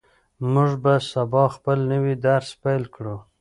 موږ به سبا خپل نوی درس پیل کړو.